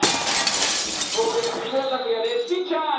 ここで木村拓哉レシピチャンス！